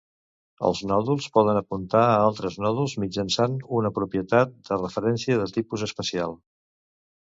Els nòduls poden apuntar a altres nòduls mitjançant una propietat de referència de tipus especial.